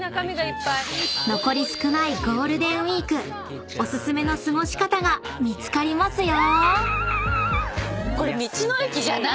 ［残り少ないゴールデンウイークオススメの過ごし方が見つかりますよ］